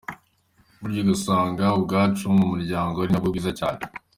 Burya usanga ubwacu mu muryango ari nabwo bwiza cyane.